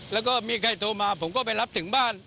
แล้วก็มีใครโทรมาผมก็ไปรับถึงบ้าน